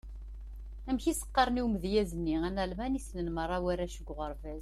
Amek i s-qqaren i umedyaz-nni analman i ssnen merra warrac uɣerbaz?